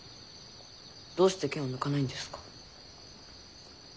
どうして剣を抜かないんですか？